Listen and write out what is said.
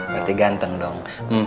nanti ganteng dong